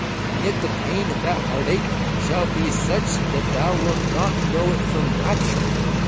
And yet the pain of that heartbreak shall be such that thou wilt not know it from rapture.